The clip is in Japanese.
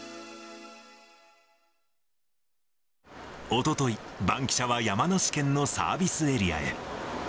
おととい、バンキシャは山梨県のサービスエリアへ。